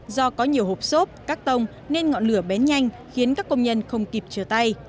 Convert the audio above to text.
do có nhiều hộp xốp các tông nên ngọn lửa bén nhanh khiến các công nhân không kịp chờ tay